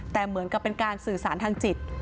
แต่เหมือนกับเป็นการสื่อสารทางจิต